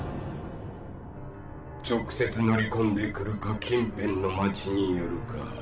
直接乗り込んでくるか近辺の町に寄るか